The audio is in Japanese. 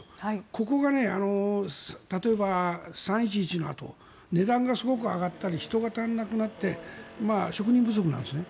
ここが例えば、３・１１のあと値段がすごく上がったり人が足りなくなったりして職人不足なんですね。